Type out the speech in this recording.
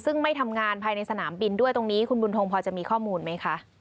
ซึ่งไม่ทำงานภายในสนามบินด้วยตรงนี้คุณบุญทงพอจะมีข้อมูลไหมคะ